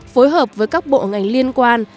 phối hợp với các bộ ngành liên quan